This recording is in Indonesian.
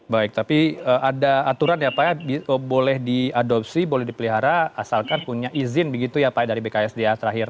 baik tapi ada aturan ya pak ya boleh diadopsi boleh dipelihara asalkan punya izin begitu ya pak dari bksda terakhir